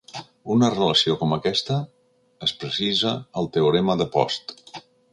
Una relació com aquesta es precisa al teorema de Post.